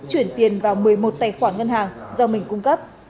chuyển tiền vào một mươi một tài khoản ngân hàng do mình cung cấp